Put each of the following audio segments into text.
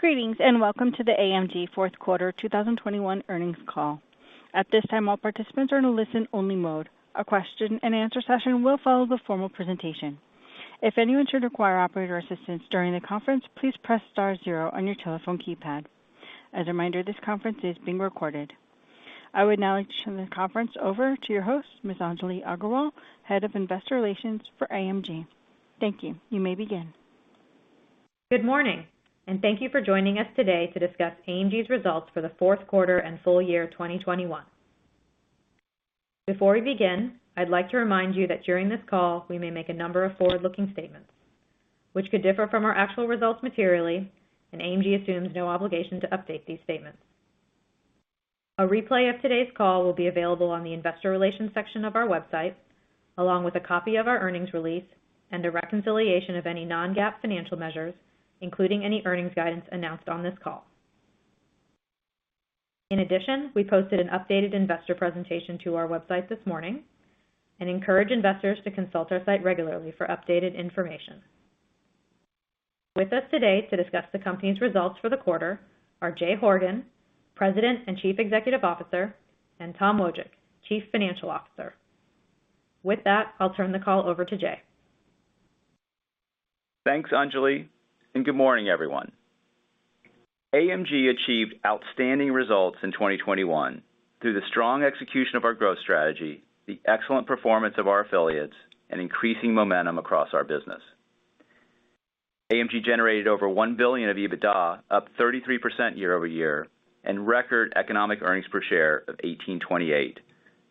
Greetings, and welcome to the AMG fourth quarter 2021 earnings call. At this time, all participants are in a listen-only mode. A question-and-answer session will follow the formal presentation. If anyone should require operator assistance during the conference, please press star zero on your telephone keypad. As a reminder, this conference is being recorded. I would now like to turn the conference over to your host, Ms. Anjali Aggarwal, Head of Investor Relations for AMG. Thank you. You may begin. Good morning, and thank you for joining us today to discuss AMG's results for the fourth quarter and full year 2021. Before we begin, I'd like to remind you that during this call, we may make a number of forward-looking statements which could differ from our actual results materially, and AMG assumes no obligation to update these statements. A replay of today's call will be available on the investor relations section of our website, along with a copy of our earnings release and a reconciliation of any non-GAAP financial measures, including any earnings guidance announced on this call. In addition, we posted an updated investor presentation to our website this morning and encourage investors to consult our site regularly for updated information. With us today to discuss the company's results for the quarter are Jay Horgen, President and Chief Executive Officer, and Tom Wojcik, Chief Financial Officer. With that, I'll turn the call over to Jay. Thanks, Anjali, and good morning, everyone. AMG achieved outstanding results in 2021 through the strong execution of our growth strategy, the excellent performance of our affiliates, and increasing momentum across our business. AMG generated over $1 billion of EBITDA, up 33% year-over-year, and record economic earnings per share of $18.28,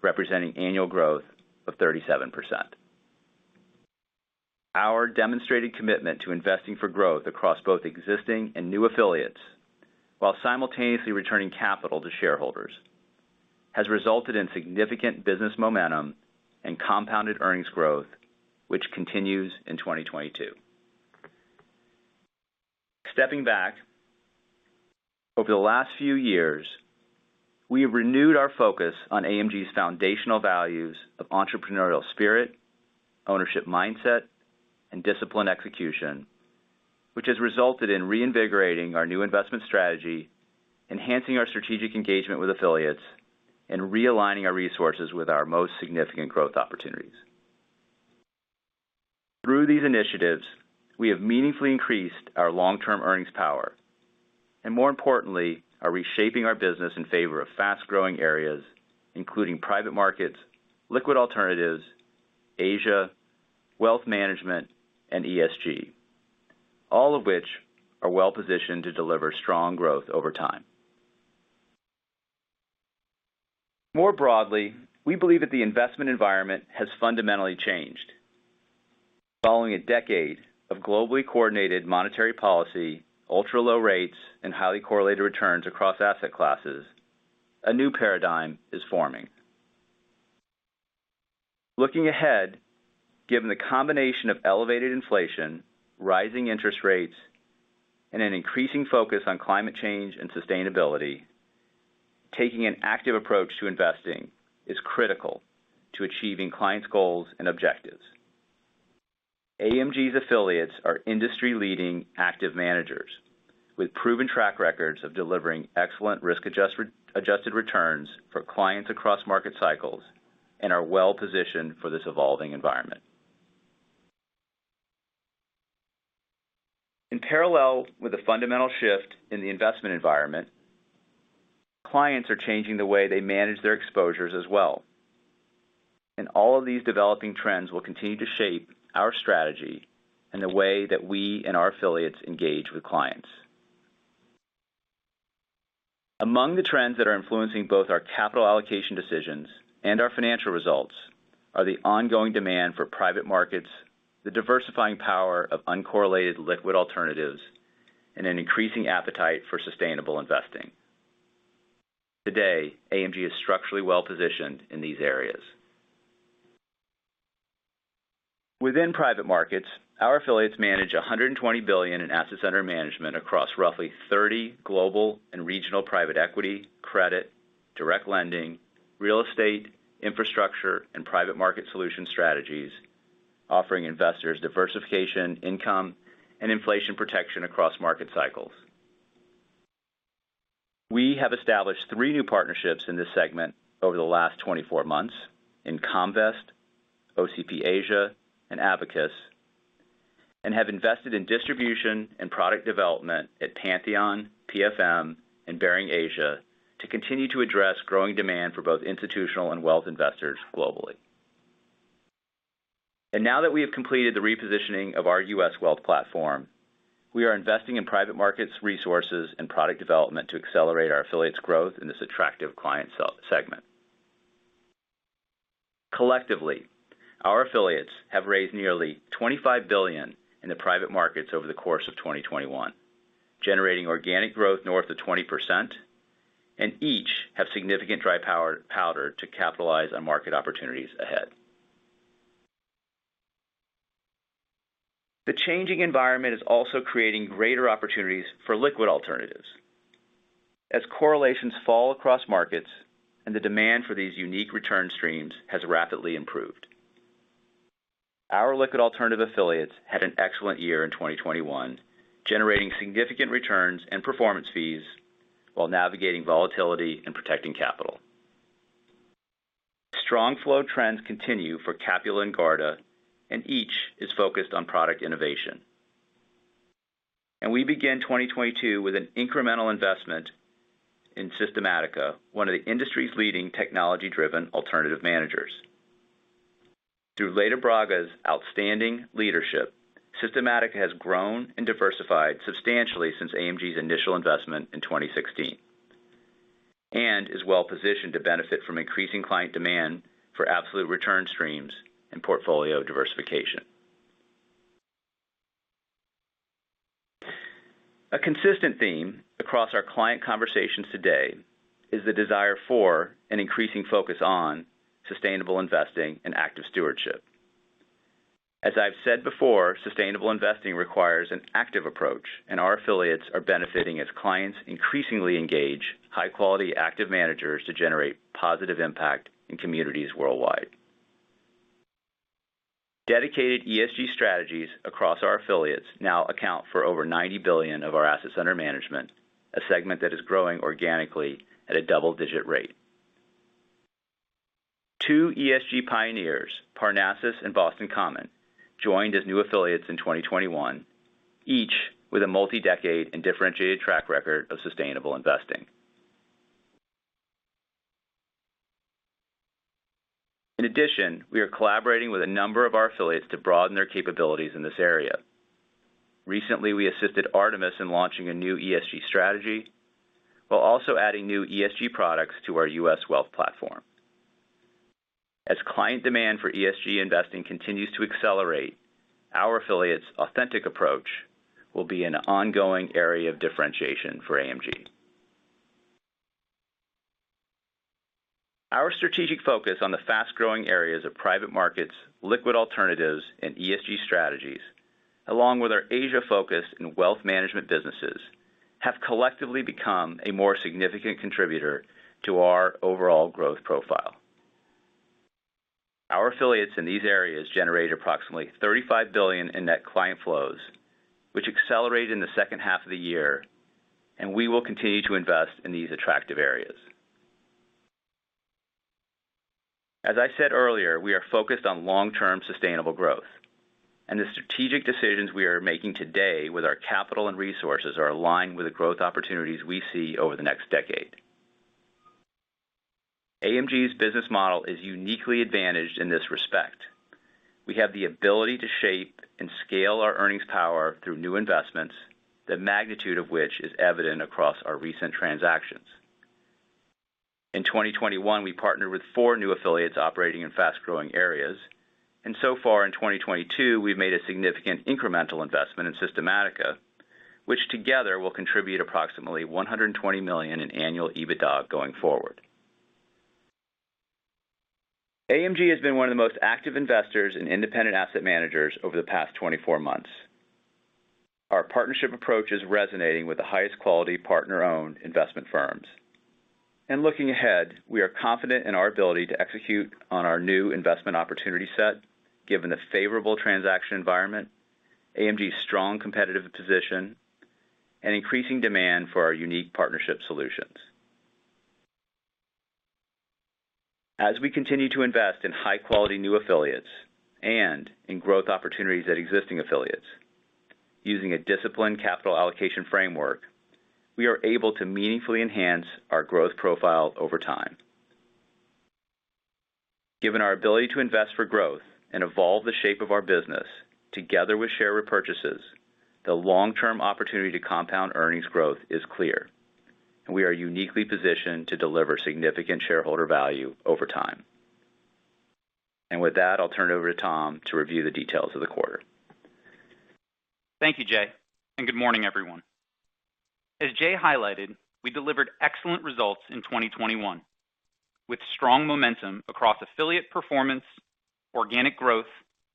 representing annual growth of 37%. Our demonstrated commitment to investing for growth across both existing and new affiliates while simultaneously returning capital to shareholders has resulted in significant business momentum and compounded earnings growth, which continues in 2022. Stepping back, over the last few years, we have renewed our focus on AMG's foundational values of entrepreneurial spirit, ownership mindset, and disciplined execution, which has resulted in reinvigorating our new investment strategy, enhancing our strategic engagement with affiliates, and realigning our resources with our most significant growth opportunities. Through these initiatives, we have meaningfully increased our long-term earnings power, and more importantly, are reshaping our business in favor of fast-growing areas, including private markets, liquid alternatives, Asia, wealth management, and ESG, all of which are well positioned to deliver strong growth over time. More broadly, we believe that the investment environment has fundamentally changed. Following a decade of globally coordinated monetary policy, ultra-low rates, and highly correlated returns across asset classes, a new paradigm is forming. Looking ahead, given the combination of elevated inflation, rising interest rates, and an increasing focus on climate change and sustainability, taking an active approach to investing is critical to achieving clients' goals and objectives. AMG's affiliates are industry-leading active managers with proven track records of delivering excellent adjusted returns for clients across market cycles and are well positioned for this evolving environment. In parallel with the fundamental shift in the investment environment, clients are changing the way they manage their exposures as well. All of these developing trends will continue to shape our strategy and the way that we and our affiliates engage with clients. Among the trends that are influencing both our capital allocation decisions and our financial results are the ongoing demand for private markets, the diversifying power of uncorrelated liquid alternatives, and an increasing appetite for sustainable investing. Today, AMG is structurally well positioned in these areas. Within private markets, our affiliates manage $120 billion in assets under management across roughly 30 global and regional private equity, credit, direct lending, real estate, infrastructure, and private market solution strategies, offering investors diversification, income, and inflation protection across market cycles. We have established three new partnerships in this segment over the last 24 months in Comvest, OCP Asia, and Abacus, and have invested in distribution and product development at Pantheon, PFM, and Baring Asia to continue to address growing demand for both institutional and wealth investors globally. Now that we have completed the repositioning of our U.S. wealth platform, we are investing in private markets, resources, and product development to accelerate our affiliates' growth in this attractive client segment. Collectively, our affiliates have raised nearly $25 billion in the private markets over the course of 2021, generating organic growth north of 20%, and each have significant dry powder to capitalize on market opportunities ahead. The changing environment is also creating greater opportunities for liquid alternatives as correlations fall across markets and the demand for these unique return streams has rapidly improved. Our liquid alternative affiliates had an excellent year in 2021, generating significant returns and performance fees while navigating volatility and protecting capital. Strong flow trends continue for Capula and Garda, and each is focused on product innovation. We begin 2022 with an incremental investment in Systematica, one of the industry's leading technology-driven alternative managers. Through Leda Braga's outstanding leadership, Systematica has grown and diversified substantially since AMG's initial investment in 2016, and is well positioned to benefit from increasing client demand for absolute return streams and portfolio diversification. A consistent theme across our client conversations today is the desire for an increasing focus on sustainable investing and active stewardship. As I've said before, sustainable investing requires an active approach, and our affiliates are benefiting as clients increasingly engage high-quality active managers to generate positive impact in communities worldwide. Dedicated ESG strategies across our affiliates now account for over $90 billion of our assets under management, a segment that is growing organically at a double-digit rate. Two ESG pioneers, Parnassus and Boston Common, joined as new affiliates in 2021, each with a multi-decade and differentiated track record of sustainable investing. In addition, we are collaborating with a number of our affiliates to broaden their capabilities in this area. Recently, we assisted Artemis in launching a new ESG strategy while also adding new ESG products to our U.S. wealth platform. As client demand for ESG investing continues to accelerate, our affiliates' authentic approach will be an ongoing area of differentiation for AMG. Our strategic focus on the fast-growing areas of private markets, liquid alternatives and ESG strategies, along with our Asia focus and wealth management businesses, have collectively become a more significant contributor to our overall growth profile. Our affiliates in these areas generate approximately $35 billion in net client flows, which accelerated in the second half of the year, and we will continue to invest in these attractive areas. As I said earlier, we are focused on long-term sustainable growth. The strategic decisions we are making today with our capital and resources are aligned with the growth opportunities we see over the next decade. AMG's business model is uniquely advantaged in this respect. We have the ability to shape and scale our earnings power through new investments, the magnitude of which is evident across our recent transactions. In 2021, we partnered with four new affiliates operating in fast-growing areas, and so far in 2022, we've made a significant incremental investment in Systematica, which together will contribute approximately $120 million in annual EBITDA going forward. AMG has been one of the most active investors in independent asset managers over the past 24 months. Our partnership approach is resonating with the highest quality partner-owned investment firms. Looking ahead, we are confident in our ability to execute on our new investment opportunity set, given the favorable transaction environment, AMG's strong competitive position, and increasing demand for our unique partnership solutions. As we continue to invest in high quality new affiliates and in growth opportunities at existing affiliates using a disciplined capital allocation framework, we are able to meaningfully enhance our growth profile over time. Given our ability to invest for growth and evolve the shape of our business together with share repurchases, the long-term opportunity to compound earnings growth is clear, and we are uniquely positioned to deliver significant shareholder value over time. With that, I'll turn it over to Tom to review the details of the quarter. Thank you, Jay, and good morning, everyone. As Jay highlighted, we delivered excellent results in 2021, with strong momentum across affiliate performance, organic growth,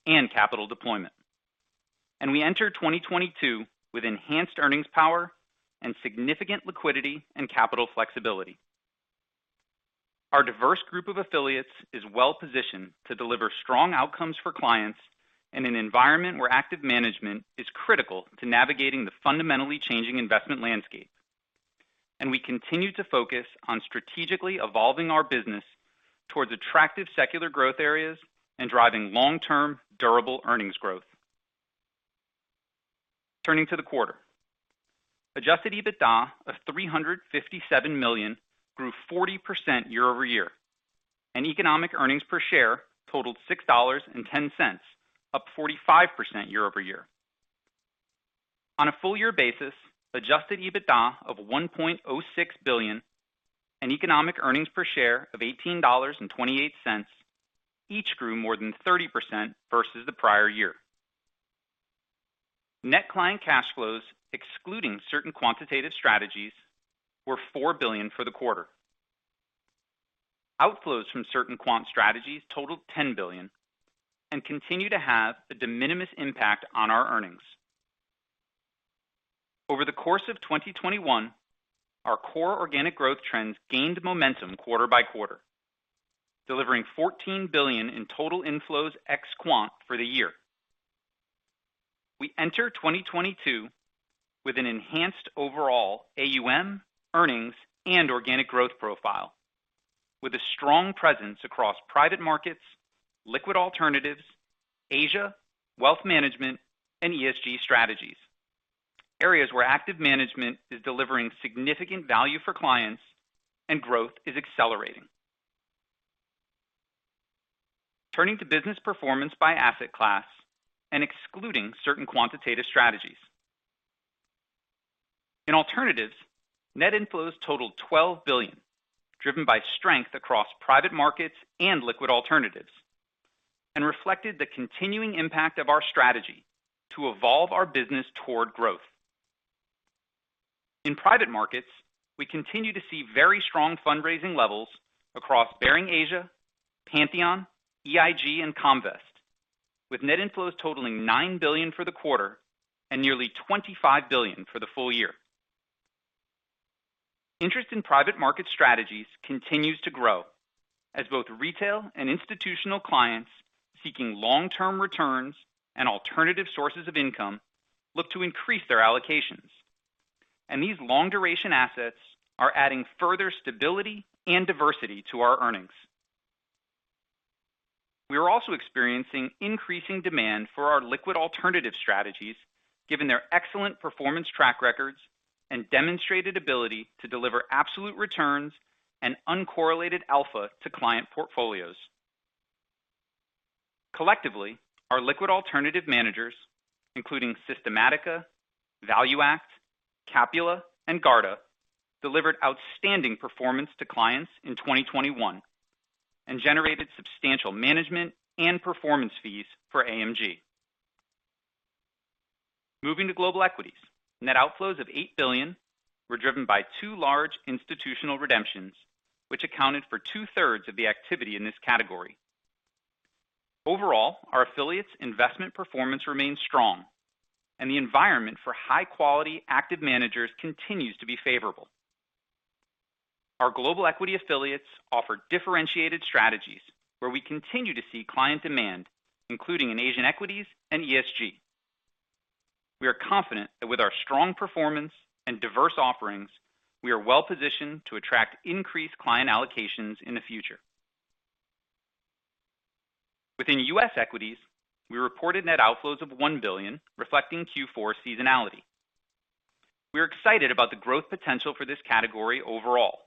and capital deployment. We enter 2022 with enhanced earnings power and significant liquidity and capital flexibility. Our diverse group of affiliates is well positioned to deliver strong outcomes for clients in an environment where active management is critical to navigating the fundamentally changing investment landscape. We continue to focus on strategically evolving our business towards attractive secular growth areas and driving long-term, durable earnings growth. Turning to the quarter. Adjusted EBITDA of $357 million grew 40% year-over-year, and Economic Earnings per Share totaled $6.10, up 45% year-over-year. On a full year basis, Adjusted EBITDA of $1.06 billion and Economic Earnings per Share of $18.28 each grew more than 30% versus the prior year. Net client cash flows excluding certain quantitative strategies were $4 billion for the quarter. Outflows from certain quant strategies totaled $10 billion and continue to have a de minimis impact on our earnings. Over the course of 2021, our core organic growth trends gained momentum quarter-by-quarter, delivering $14 billion in total inflows ex quant for the year. We enter 2022 with an enhanced overall AUM, earnings, and organic growth profile, with a strong presence across private markets, liquid alternatives, Asia, wealth management, and ESG strategies. Areas where active management is delivering significant value for clients and growth is accelerating. Turning to business performance by asset class and excluding certain quantitative strategies. In alternatives, net inflows totaled $12 billion, driven by strength across private markets and liquid alternatives, and reflected the continuing impact of our strategy to evolve our business toward growth. In private markets, we continue to see very strong fundraising levels across Baring Asia, Pantheon, EIG, and Comvest, with net inflows totaling $9 billion for the quarter and nearly $25 billion for the full year. Interest in private market strategies continues to grow as both retail and institutional clients seeking long-term returns and alternative sources of income look to increase their allocations. These long-duration assets are adding further stability and diversity to our earnings. We are also experiencing increasing demand for our liquid alternative strategies, given their excellent performance track records and demonstrated ability to deliver absolute returns and uncorrelated alpha to client portfolios. Collectively, our liquid alternative managers, including Systematica, ValueAct, Capula, and Garda, delivered outstanding performance to clients in 2021 and generated substantial management and performance fees for AMG. Moving to global equities. Net outflows of $8 billion were driven by two large institutional redemptions, which accounted for 2/3 of the activity in this category. Overall, our affiliates' investment performance remains strong and the environment for high quality active managers continues to be favorable. Our global equity affiliates offer differentiated strategies where we continue to see client demand, including in Asian equities and ESG. We are confident that with our strong performance and diverse offerings, we are well-positioned to attract increased client allocations in the future. Within U.S. equities, we reported net outflows of $1 billion, reflecting Q4 seasonality. We are excited about the growth potential for this category overall,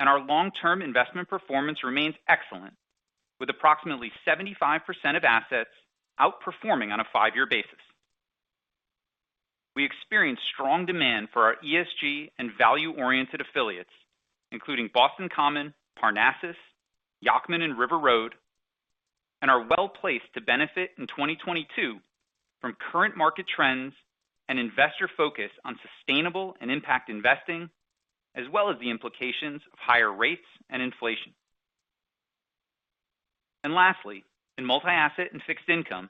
and our long-term investment performance remains excellent with approximately 75% of assets outperforming on a five-year basis. We experience strong demand for our ESG and value-oriented affiliates, including Boston Common, Parnassus, Yacktman, and River Road, and are well-placed to benefit in 2022 from current market trends and investor focus on sustainable and impact investing, as well as the implications of higher rates and inflation. Lastly, in multi-asset and fixed income,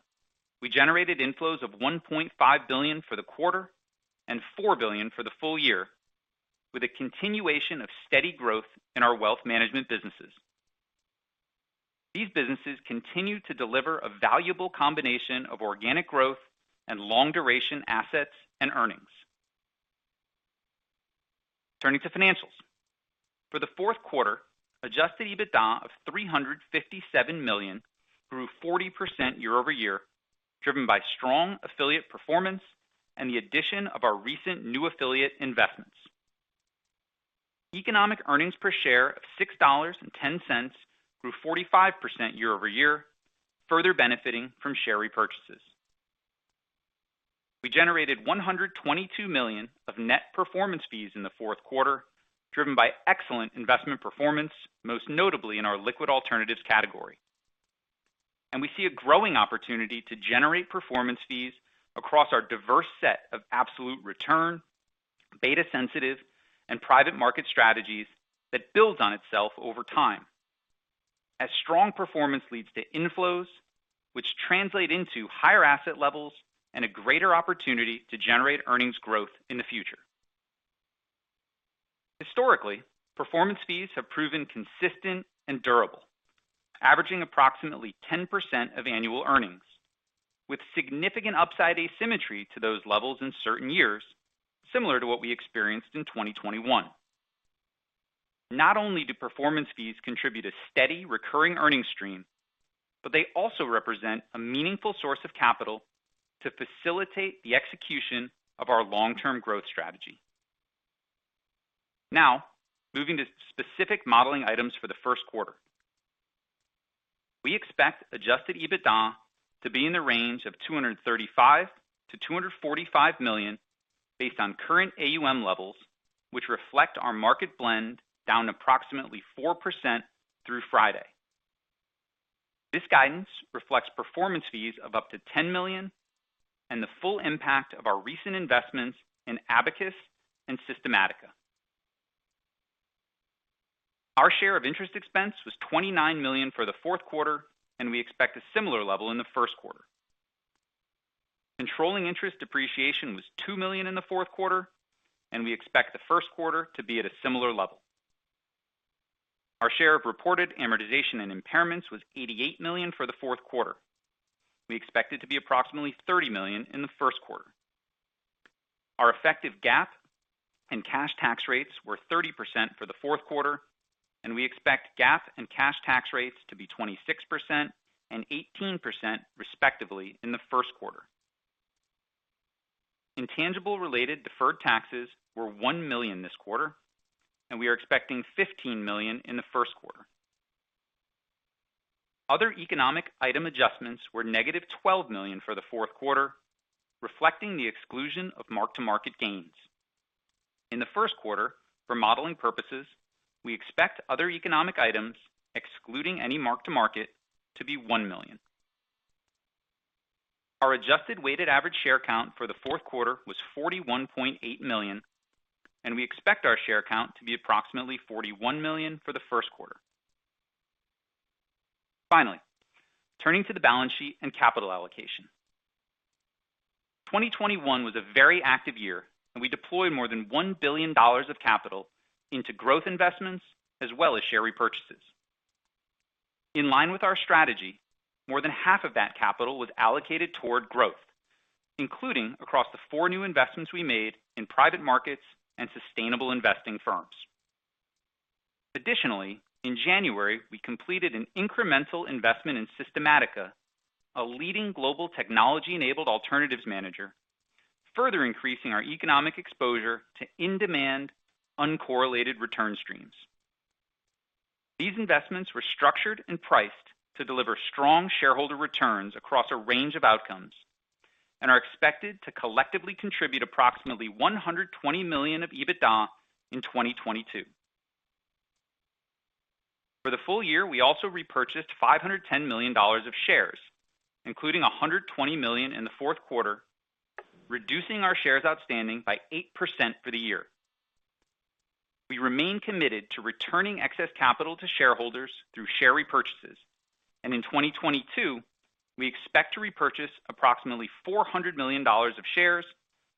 we generated inflows of $1.5 billion for the quarter and $4 billion for the full year, with a continuation of steady growth in our wealth management businesses. These businesses continue to deliver a valuable combination of organic growth and long-duration assets and earnings. Turning to financials. For the fourth quarter, Adjusted EBITDA of $357 million grew 40% year-over-year, driven by strong affiliate performance and the addition of our recent new affiliate investments. Economic Earnings per Share of $6.10 grew 45% year-over-year, further benefiting from share repurchases. We generated $122 million of net performance fees in the fourth quarter, driven by excellent investment performance, most notably in our liquid alternatives category. We see a growing opportunity to generate performance fees across our diverse set of absolute return, beta sensitive, and private market strategies that builds on itself over time as strong performance leads to inflows which translate into higher asset levels and a greater opportunity to generate earnings growth in the future. Historically, performance fees have proven consistent and durable, averaging approximately 10% of annual earnings, with significant upside asymmetry to those levels in certain years, similar to what we experienced in 2021. Not only do performance fees contribute a steady recurring earnings stream, but they also represent a meaningful source of capital to facilitate the execution of our long-term growth strategy. Now, moving to specific modeling items for the first quarter. We expect Adjusted EBITDA to be in the range of $235 million-$245 million based on current AUM levels, which reflect our market blend down approximately 4% through Friday. This guidance reflects performance fees of up to $10 million and the full impact of our recent investments in Abacus and Systematica. Our share of interest expense was $29 million for the fourth quarter, and we expect a similar level in the first quarter. Controlling interest depreciation was $2 million in the fourth quarter, and we expect the first quarter to be at a similar level. Our share of reported amortization and impairments was $88 million for the fourth quarter. We expect it to be approximately $30 million in the first quarter. Our effective GAAP and cash tax rates were 30% for the fourth quarter, and we expect GAAP and cash tax rates to be 26% and 18% respectively in the first quarter. Intangible related deferred taxes were $1 million this quarter, and we are expecting $15 million in the first quarter. Other economic item adjustments were -$12 million for the fourth quarter, reflecting the exclusion of mark-to-market gains. In the first quarter, for modeling purposes, we expect other economic items, excluding any mark-to-market, to be $1 million. Our adjusted weighted average share count for the fourth quarter was 41.8 million, and we expect our share count to be approximately 41 million for the first quarter. Finally, turning to the balance sheet and capital allocation. 2021 was a very active year and we deployed more than $1 billion of capital into growth investments as well as share repurchases. In line with our strategy, more than half of that capital was allocated toward growth, including across the four new investments we made in private markets and sustainable investing firms. Additionally, in January, we completed an incremental investment in Systematica, a leading global technology-enabled alternatives manager, further increasing our economic exposure to in-demand uncorrelated return streams. These investments were structured and priced to deliver strong shareholder returns across a range of outcomes and are expected to collectively contribute approximately 120 million of EBITDA in 2022. For the full year, we also repurchased $510 million of shares, including $120 million in the fourth quarter, reducing our shares outstanding by 8% for the year. We remain committed to returning excess capital to shareholders through share repurchases. In 2022, we expect to repurchase approximately $400 million of shares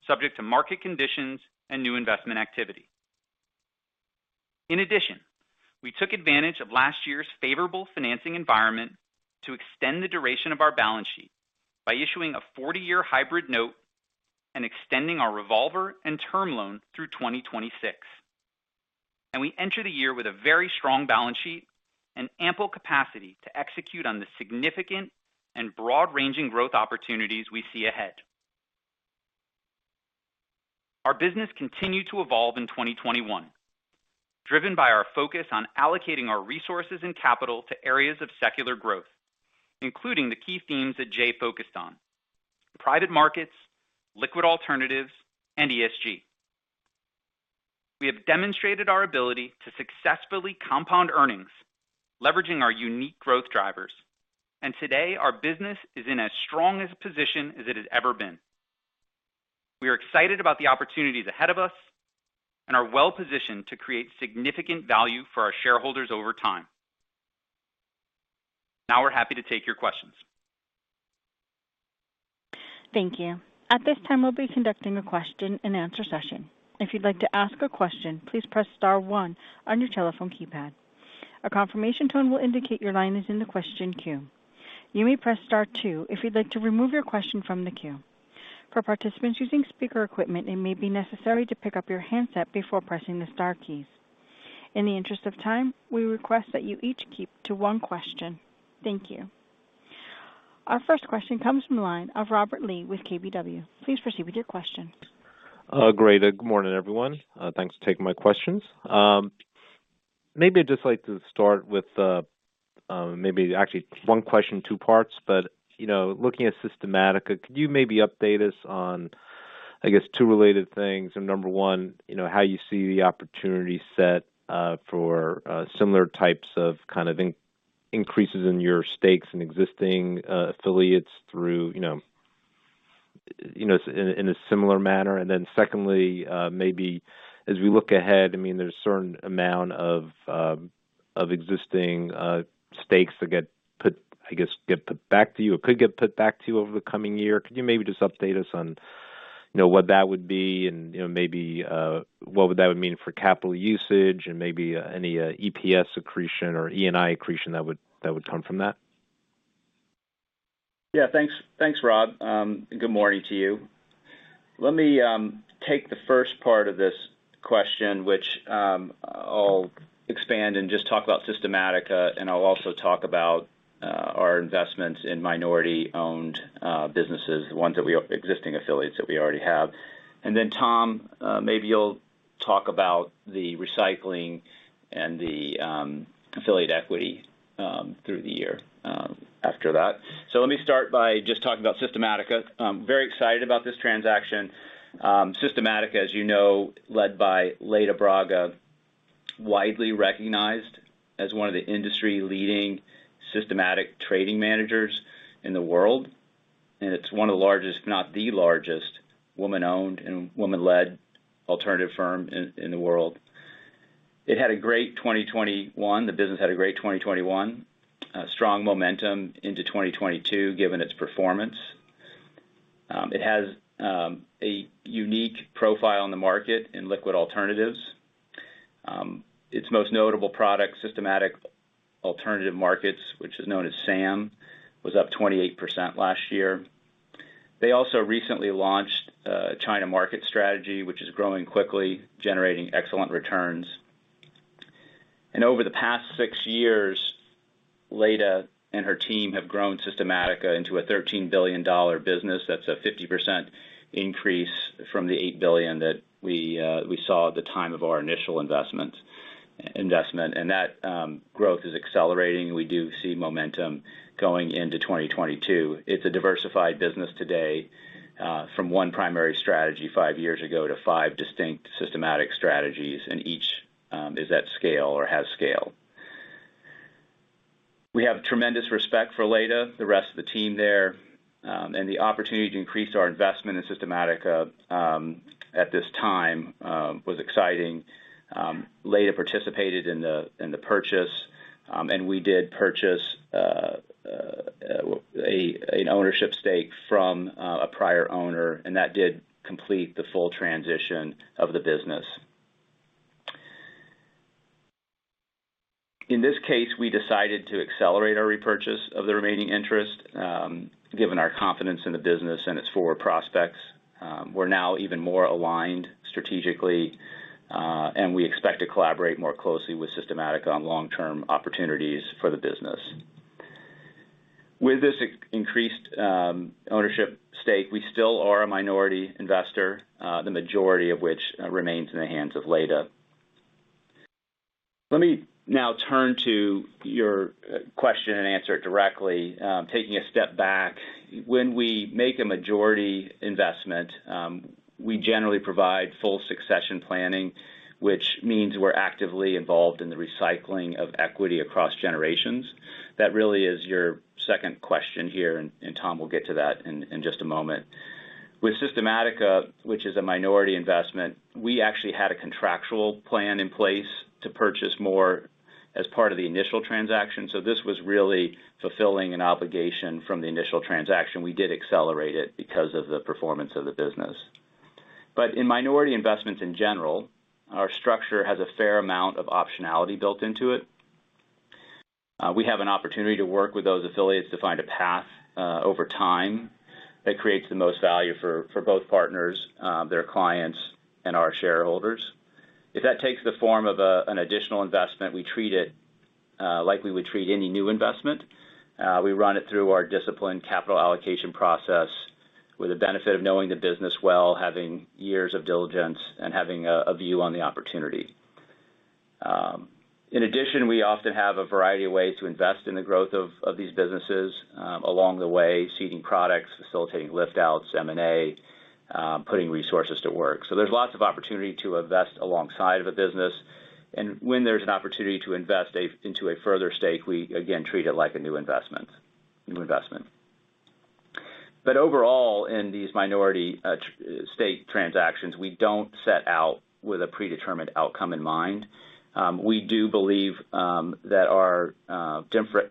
subject to market conditions and new investment activity. In addition, we took advantage of last year's favorable financing environment to extend the duration of our balance sheet by issuing a 40-year hybrid note and extending our revolver and term loan through 2026. We enter the year with a very strong balance sheet and ample capacity to execute on the significant and broad-ranging growth opportunities we see ahead. Our business continued to evolve in 2021, driven by our focus on allocating our resources and capital to areas of secular growth, including the key themes that Jay focused on private markets, liquid alternatives, and ESG. We have demonstrated our ability to successfully compound earnings, leveraging our unique growth drivers. Today our business is in as strong a position as it has ever been. We are excited about the opportunities ahead of us and are well positioned to create significant value for our shareholders over time. Now we're happy to take your questions. Thank you. At this time, we'll be conducting a question-and-answer session. If you'd like to ask a question, please press star one on your telephone keypad. A confirmation tone will indicate your line is in the question queue. You may press star two if you'd like to remove your question from the queue. For participants using speaker equipment, it may be necessary to pick up your handset before pressing the star keys. In the interest of time, we request that you each keep to one question. Thank you. Our first question comes from the line of Robert Lee with KBW. Please proceed with your question. Great. Good morning, everyone. Thanks for taking my questions. Maybe I'd just like to start with maybe actually one question, two parts. You know, looking at Systematica, could you maybe update us on, I guess, two related things. Number one, you know, how you see the opportunity set for similar types of kind of increases in your stakes in existing affiliates through you know in a similar manner. Secondly, maybe as we look ahead, I mean, there's a certain amount of existing stakes that get put, I guess, back to you or could get put back to you over the coming year. Could you maybe just update us on, you know, what that would be and, you know, maybe what would that mean for capital usage and maybe any EPS accretion or ENI accretion that would come from that? Yeah, thanks. Thanks, Rob. Good morning to you. Let me take the first part of this question, which I'll expand and just talk about Systematica, and I'll also talk about our investments in minority-owned businesses, existing affiliates that we already have. Then, Tom, maybe you'll talk about the recycling and the affiliate equity through the year after that. Let me start by just talking about Systematica. I'm very excited about this transaction. Systematica, as you know, led by Leda Braga, widely recognized as one of the industry-leading systematic trading managers in the world. It's one of the largest, if not the largest woman-owned and woman-led alternative firm in the world. It had a great 2021. The business had a great 2021. Strong momentum into 2022, given its performance. It has a unique profile in the market in liquid alternatives. Its most notable product, Systematic Alternative Markets, which is known as SAM, was up 28% last year. They also recently launched a China market strategy, which is growing quickly, generating excellent returns. Over the past six years, Leda and her team have grown Systematica into a $13 billion business. That's a 50% increase from the $8 billion that we saw at the time of our initial investment. That growth is accelerating. We do see momentum going into 2022. It's a diversified business today, from one primary strategy five years ago to five distinct systematic strategies, and each is at scale or has scale. We have tremendous respect for Leda, the rest of the team there, and the opportunity to increase our investment in Systematica, at this time, was exciting. Leda participated in the purchase, and we did purchase an ownership stake from a prior owner, and that did complete the full transition of the business. In this case, we decided to accelerate our repurchase of the remaining interest, given our confidence in the business and its forward prospects. We're now even more aligned strategically, and we expect to collaborate more closely with Systematica on long-term opportunities for the business. With this increased ownership stake, we still are a minority investor, the majority of which remains in the hands of Leda. Let me now turn to your question-and-answer it directly. Taking a step back, when we make a majority investment, we generally provide full succession planning, which means we're actively involved in the recycling of equity across generations. That really is your second question here, and Tom will get to that in just a moment. With Systematica, which is a minority investment, we actually had a contractual plan in place to purchase more as part of the initial transaction. This was really fulfilling an obligation from the initial transaction. We did accelerate it because of the performance of the business. In minority investments in general, our structure has a fair amount of optionality built into it. We have an opportunity to work with those affiliates to find a path over time that creates the most value for both partners, their clients and our shareholders. If that takes the form of an additional investment, we treat it like we would treat any new investment. We run it through our disciplined capital allocation process with the benefit of knowing the business well, having years of diligence, and having a view on the opportunity. In addition, we often have a variety of ways to invest in the growth of these businesses along the way, seeding products, facilitating lift outs, M&A, putting resources to work. There's lots of opportunity to invest alongside of a business. When there's an opportunity to invest into a further stake, we again treat it like a new investment. Overall, in these minority stake transactions, we don't set out with a predetermined outcome in mind. We do believe that our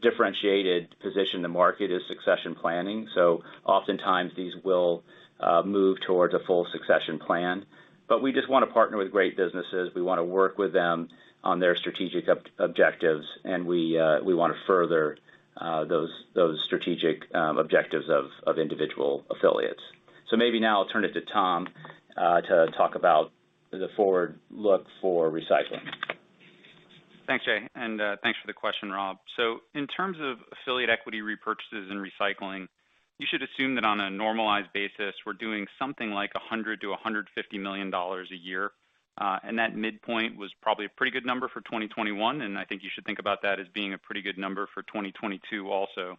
differentiated position to market is succession planning. Oftentimes these will move towards a full succession plan. We just wanna partner with great businesses. We wanna work with them on their strategic objectives, and we wanna further those strategic objectives of individual affiliates. Maybe now I'll turn it to Tom to talk about the forward look for recycling. Thanks, Jay, and thanks for the question, Rob. So in terms of affiliate equity repurchases and recycling, you should assume that on a normalized basis, we're doing something like $100-$150 million a year. That midpoint was probably a pretty good number for 2021, and I think you should think about that as being a pretty good number for 2022 also.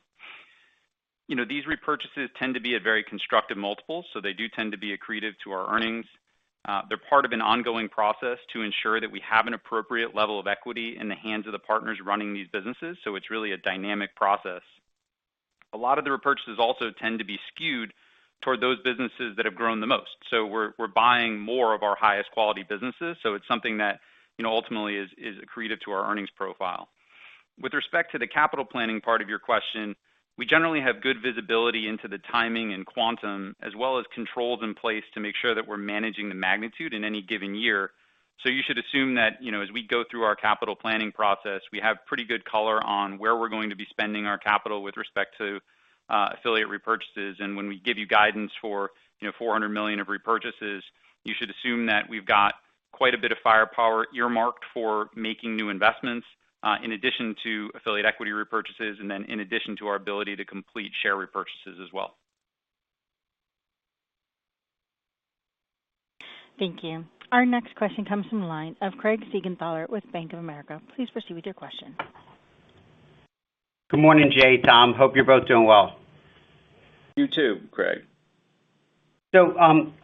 You know, these repurchases tend to be at very constructive multiples, so they do tend to be accretive to our earnings. They're part of an ongoing process to ensure that we have an appropriate level of equity in the hands of the partners running these businesses. So it's really a dynamic process. A lot of the repurchases also tend to be skewed toward those businesses that have grown the most. We're buying more of our highest quality businesses. It's something that, you know, ultimately is accretive to our earnings profile. With respect to the capital planning part of your question, we generally have good visibility into the timing and quantum, as well as controls in place to make sure that we're managing the magnitude in any given year. You should assume that, you know, as we go through our capital planning process, we have pretty good color on where we're going to be spending our capital with respect to affiliate repurchases. When we give you guidance for, you know, $400 million of repurchases, you should assume that we've got quite a bit of firepower earmarked for making new investments in addition to affiliate equity repurchases, and then in addition to our ability to complete share repurchases as well. Thank you. Our next question comes from the line of Craig Siegenthaler with Bank of America. Please proceed with your question. Good morning, Jay, Tom. Hope you're both doing well. You too, Craig.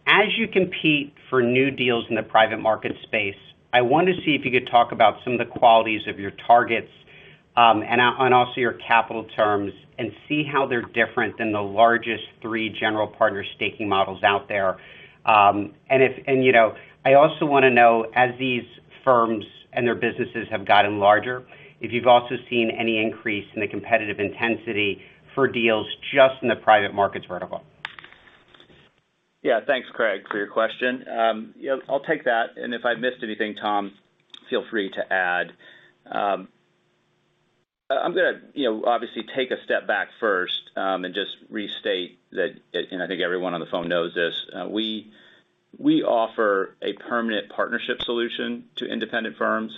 As you compete for new deals in the private market space, I want to see if you could talk about some of the qualities of your targets, and also your capital terms, and see how they're different than the largest three general partner staking models out there. You know, I also wanna know, as these firms and their businesses have gotten larger, if you've also seen any increase in the competitive intensity for deals just in the private markets vertical. Yeah. Thanks, Craig, for your question. Yeah, I'll take that, and if I missed anything, Tom, feel free to add. I'm gonna, you know, obviously take a step back first, and just restate that, and I think everyone on the phone knows this, we offer a permanent partnership solution to independent firms.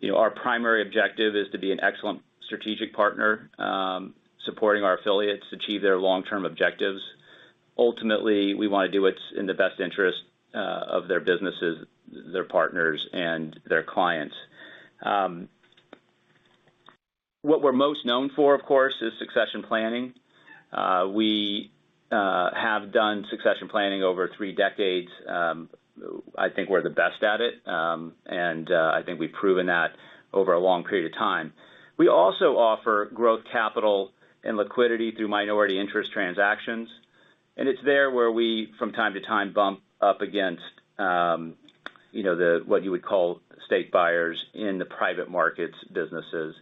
You know, our primary objective is to be an excellent strategic partner, supporting our affiliates to achieve their long-term objectives. Ultimately, we wanna do what's in the best interest of their businesses, their partners, and their clients. What we're most known for, of course, is succession planning. We have done succession planning over three decades. I think we're the best at it. I think we've proven that over a long period of time. We also offer growth capital and liquidity through minority interest transactions. It's there where we, from time to time, bump up against, you know, the, what you would call strategic buyers in the private markets businesses.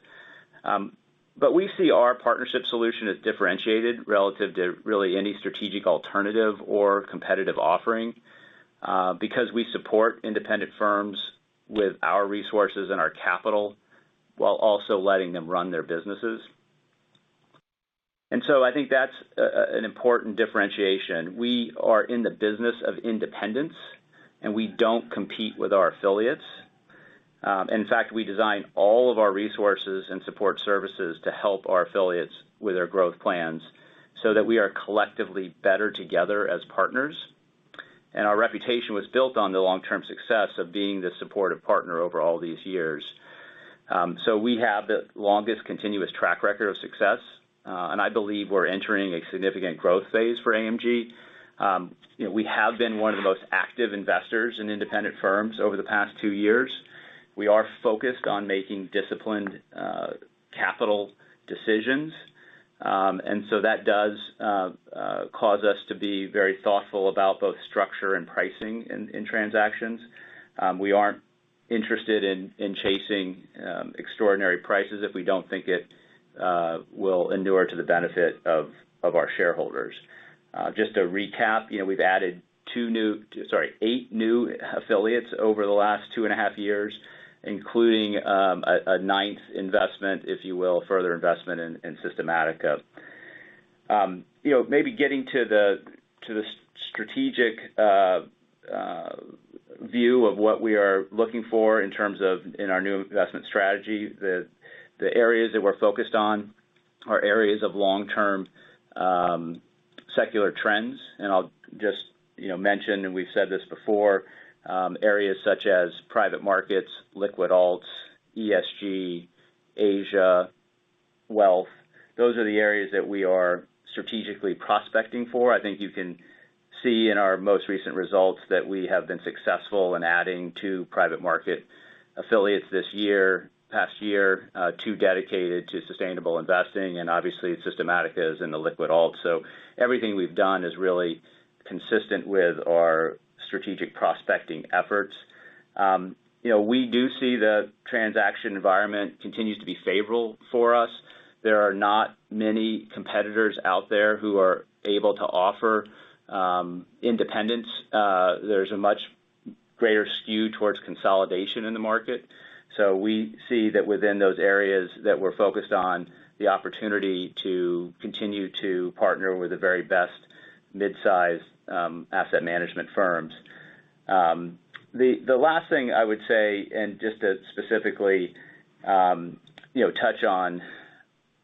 We see our partnership solution as differentiated relative to really any strategic alternative or competitive offering, because we support independent firms with our resources and our capital while also letting them run their businesses. I think that's an important differentiation. We are in the business of independence, and we don't compete with our affiliates. In fact, we design all of our resources and support services to help our affiliates with their growth plans so that we are collectively better together as partners. Our reputation was built on the long-term success of being the supportive partner over all these years. We have the longest continuous track record of success, and I believe we're entering a significant growth phase for AMG. You know, we have been one of the most active investors in independent firms over the past two years. We are focused on making disciplined capital decisions. That does cause us to be very thoughtful about both structure and pricing in transactions. We aren't interested in chasing extraordinary prices if we don't think it will endure to the benefit of our shareholders. Just to recap, you know, we've added eight new affiliates over the last 2.5 years, including a ninth investment, if you will, further investment in Systematica. You know, maybe getting to the strategic view of what we are looking for in terms of in our new investment strategy. The areas that we're focused on are areas of long-term secular trends. I'll just, you know, mention, and we've said this before, areas such as private markets, liquid alts, ESG, Asia, wealth, those are the areas that we are strategically prospecting for. I think you can see in our most recent results that we have been successful in adding two private market affiliates this past year, two dedicated to sustainable investing, and obviously, Systematica is in the liquid alts. Everything we've done is really consistent with our strategic prospecting efforts. You know, we do see the transaction environment continues to be favorable for us. There are not many competitors out there who are able to offer independence. There's a much greater skew towards consolidation in the market. We see that within those areas that we're focused on the opportunity to continue to partner with the very best mid-size asset management firms. The last thing I would say, and just to specifically you know touch on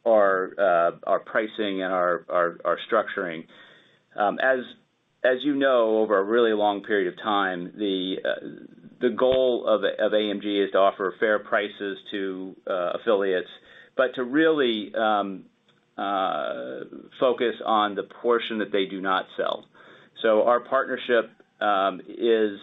our pricing and our structuring. As you know, over a really long period of time, the goal of AMG is to offer fair prices to affiliates, but to really focus on the portion that they do not sell. Our partnership is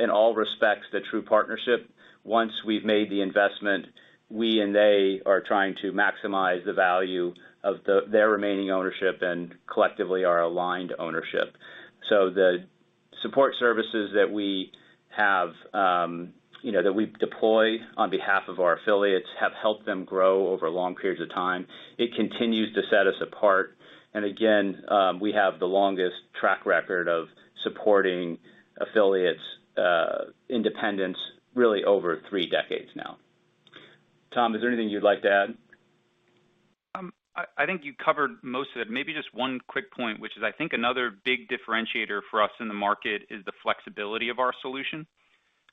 in all respects the true partnership. Once we've made the investment, we and they are trying to maximize the value of their remaining ownership and collectively our aligned ownership. The support services that we have, you know, that we deploy on behalf of our affiliates have helped them grow over long periods of time. It continues to set us apart. Again, we have the longest track record of supporting affiliates' independence really over three decades now. Tom, is there anything you'd like to add? I think you covered most of it. Maybe just one quick point, which is I think another big differentiator for us in the market is the flexibility of our solution.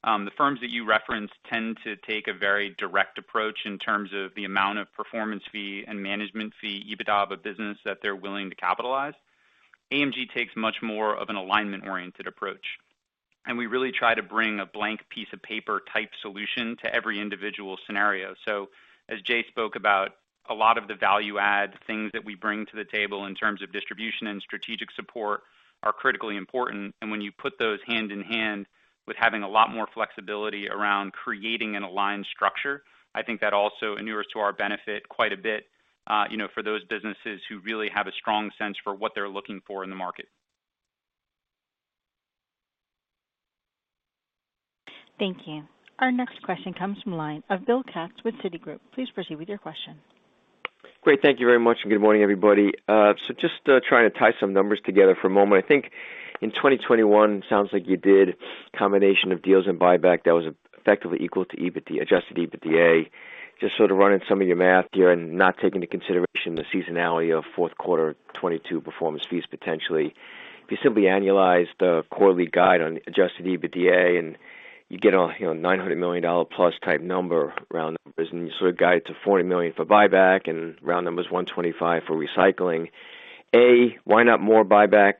The firms that you referenced tend to take a very direct approach in terms of the amount of performance fee and management fee, EBITDA of a business that they're willing to capitalize. AMG takes much more of an alignment-oriented approach. We really try to bring a blank piece of paper type solution to every individual scenario. As Jay spoke about, a lot of the value add things that we bring to the table in terms of distribution and strategic support are critically important. when you put those hand in hand with having a lot more flexibility around creating an aligned structure, I think that also inures to our benefit quite a bit, you know, for those businesses who really have a strong sense for what they're looking for in the market. Thank you. Our next question comes from the line of Bill Katz with Citigroup. Please proceed with your question. Great. Thank you very much. Good morning, everybody. Just trying to tie some numbers together for a moment. I think in 2021, sounds like you did combination of deals and buyback that was effectively equal to Adjusted EBITDA. Just sort of running some of your math here and not taking into consideration the seasonality of fourth quarter 2022 performance fees potentially. If you simply annualize the quarterly guide on Adjusted EBITDA, and you get a, you know, $900 million dollar plus type number round numbers, and you sort of guide to $40 million for buyback and round numbers $125 for recycling. A, why not more buyback?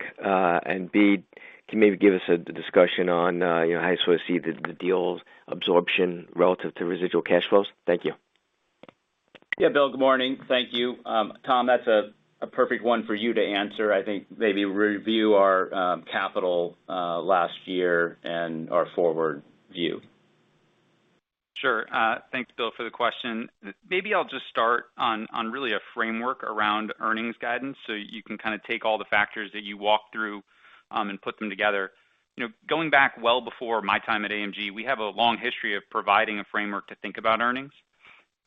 B, can you maybe give us a discussion on, you know, how you sort of see the deal's absorption relative to residual cash flows? Thank you. Yeah. Bill, good morning. Thank you. Tom, that's a perfect one for you to answer. I think maybe review our capital last year and our forward view. Sure. Thanks, Bill, for the question. Maybe I'll just start on really a framework around earnings guidance, so you can kind of take all the factors that you walk through, and put them together. You know, going back well before my time at AMG, we have a long history of providing a framework to think about earnings.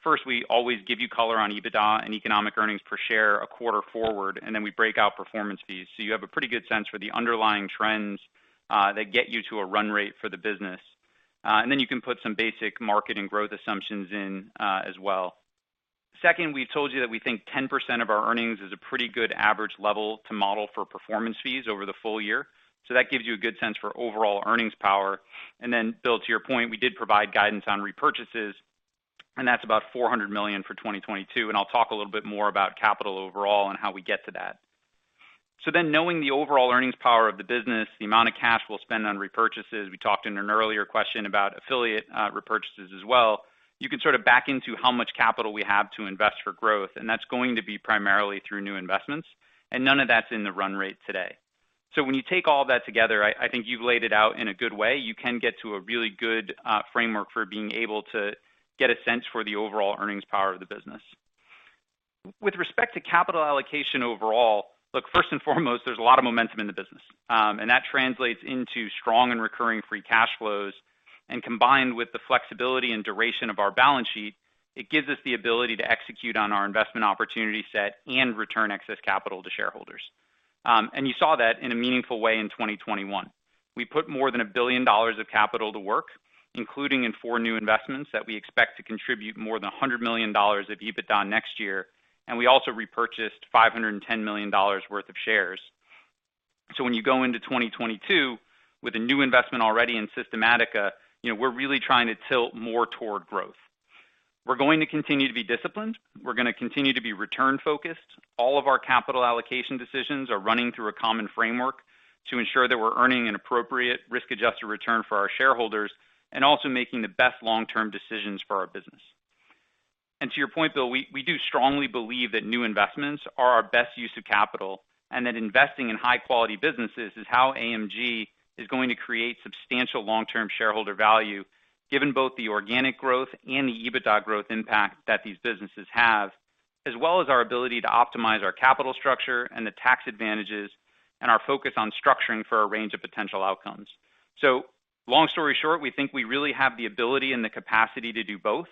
First, we always give you color on EBITDA and Economic Earnings per Share a quarter forward, and then we break out performance fees. So you have a pretty good sense for the underlying trends, that get you to a run rate for the business. And then you can put some basic market and growth assumptions in, as well. Second, we've told you that we think 10% of our earnings is a pretty good average level to model for performance fees over the full year. That gives you a good sense for overall earnings power. Bill, to your point, we did provide guidance on repurchases, and that's about $400 million for 2022. I'll talk a little bit more about capital overall and how we get to that. Knowing the overall earnings power of the business, the amount of cash we'll spend on repurchases, we talked in an earlier question about affiliate repurchases as well. You can sort of back into how much capital we have to invest for growth, and that's going to be primarily through new investments, and none of that's in the run rate today. When you take all that together, I think you've laid it out in a good way. You can get to a really good framework for being able to get a sense for the overall earnings power of the business. With respect to capital allocation overall, look, first and foremost, there's a lot of momentum in the business, and that translates into strong and recurring free cash flows. Combined with the flexibility and duration of our balance sheet, it gives us the ability to execute on our investment opportunity set and return excess capital to shareholders. You saw that in a meaningful way in 2021. We put more than $1 billion of capital to work, including in four new investments that we expect to contribute more than $100 million of EBITDA next year. We also repurchased $510 million worth of shares. When you go into 2022 with a new investment already in Systematica, you know, we're really trying to tilt more toward growth. We're going to continue to be disciplined. We're going to continue to be return-focused. All of our capital allocation decisions are running through a common framework to ensure that we're earning an appropriate risk-adjusted return for our shareholders and also making the best long-term decisions for our business. To your point, Bill, we do strongly believe that new investments are our best use of capital, and that investing in high-quality businesses is how AMG is going to create substantial long-term shareholder value, given both the organic growth and the EBITDA growth impact that these businesses have, as well as our ability to optimize our capital structure and the tax advantages and our focus on structuring for a range of potential outcomes. Long story short, we think we really have the ability and the capacity to do both,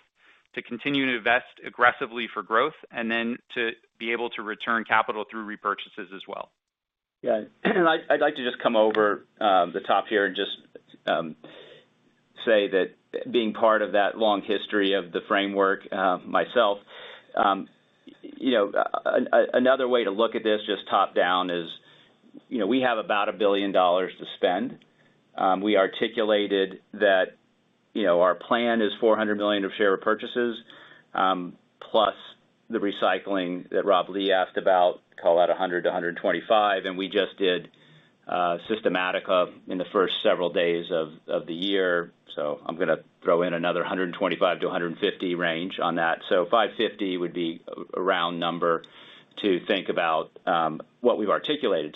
to continue to invest aggressively for growth and then to be able to return capital through repurchases as well. Yeah. I'd like to just come over the top here and just say that being part of that long history of the framework, myself, you know, another way to look at this, just top-down is, you know, we have about $1 billion to spend. We articulated that, you know, our plan is $400 million of share purchases, plus the recycling that Rob Lee asked about, call that $100-$125 million, and we just did Systematica in the first several days of the year. I'm gonna throw in another $125-$150 million range on that. $550 million would be a round number to think about, what we've articulated.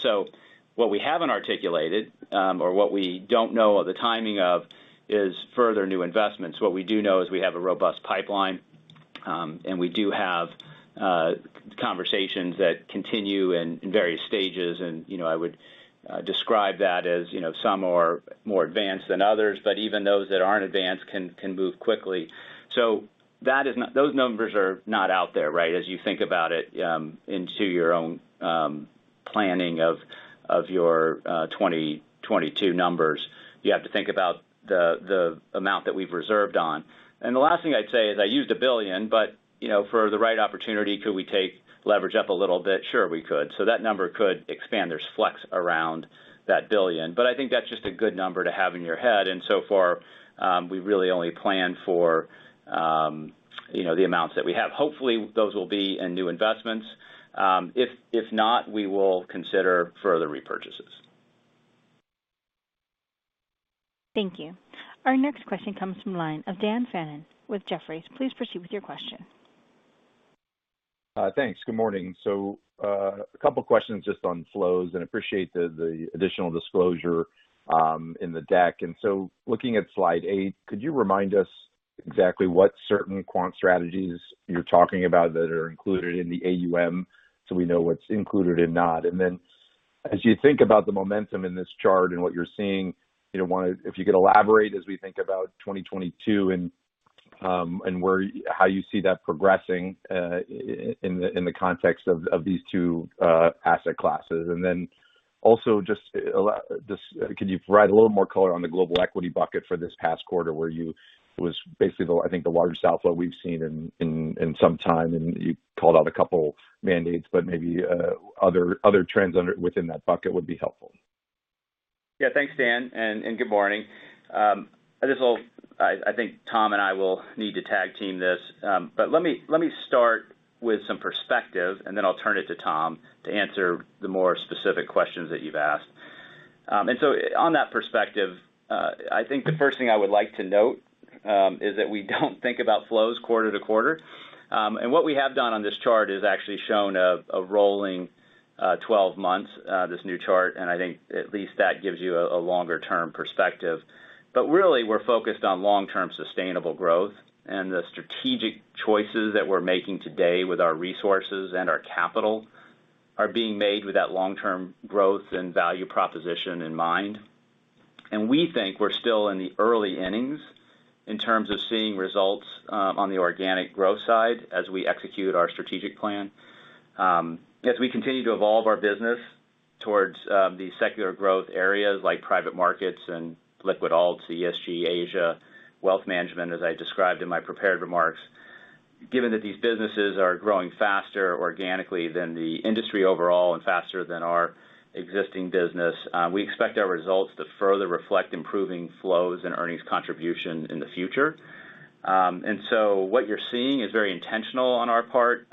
What we haven't articulated, or what we don't know of the timing of is further new investments. What we do know is we have a robust pipeline, and we do have conversations that continue in various stages. You know, I would describe that as, you know, some are more advanced than others, but even those that aren't advanced can move quickly. Those numbers are not out there, right? As you think about it, into your own planning of your 2022 numbers. You have to think about the amount that we've reserved on. The last thing I'd say is I used $1 billion, but you know, for the right opportunity, could we take leverage up a little bit? Sure, we could. That number could expand. There's flex around that $1 billion. I think that's just a good number to have in your head. So far, we really only plan for, you know, the amounts that we have. Hopefully, those will be in new investments. If not, we will consider further repurchases. Thank you. Our next question comes from the line of Dan Fannon with Jefferies. Please proceed with your question. Thanks. Good morning. A couple questions just on flows, and I appreciate the additional disclosure in the deck. Looking at slide 8, could you remind us exactly what certain quant strategies you're talking about that are included in the AUM so we know what's included and not? As you think about the momentum in this chart and what you're seeing, you know, one, if you could elaborate as we think about 2022 and how you see that progressing in the context of these two asset classes. Also just could you provide a little more color on the global equity bucket for this past quarter where it was basically the, I think the largest outflow we've seen in some time, and you called out a couple mandates, but maybe other trends within that bucket would be helpful. Yeah. Thanks, Dan, and good morning. I think Tom and I will need to tag team this. But let me start with some perspective, and then I'll turn it to Tom to answer the more specific questions that you've asked. On that perspective, I think the first thing I would like to note is that we don't think about flows quarter to quarter. What we have done on this chart is actually shown a rolling 12 months, this new chart, and I think at least that gives you a longer-term perspective. Really, we're focused on long-term sustainable growth. The strategic choices that we're making today with our resources and our capital are being made with that long-term growth and value proposition in mind. We think we're still in the early innings in terms of seeing results on the organic growth side as we execute our strategic plan. As we continue to evolve our business towards the secular growth areas like private markets and liquid alts, ESG, Asia, wealth management, as I described in my prepared remarks. Given that these businesses are growing faster organically than the industry overall and faster than our existing business, we expect our results to further reflect improving flows and earnings contribution in the future. What you're seeing is very intentional on our part,